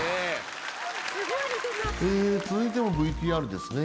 続いてもＶＴＲですね。